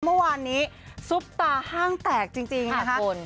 เมื่อวานนี้ซุปตาห้างแตกจริงนะคะ